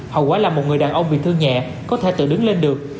hầu quá là một người đàn ông bị thương nhẹ có thể tự đứng lên được